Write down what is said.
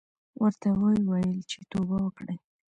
ورته ویې ویل چې توبه وکړې.